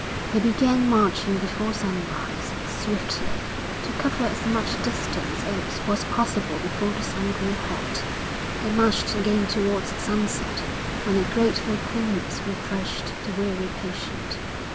They began marching before sunrise, swiftly, to cover as much distance as was possible before the sun grew hot; they marched again towards sunset when a grateful coolness refreshed the weary patient.